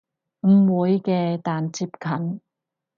唔會嘅但接近